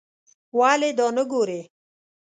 ولې دا نه ګورې.